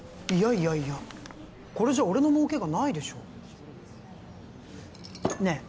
いやいやこれじゃ俺の儲けがないでしょねえ